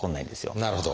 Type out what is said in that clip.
なるほど。